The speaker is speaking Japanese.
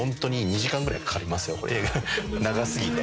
長過ぎて。